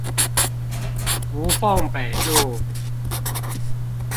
吳鳳北路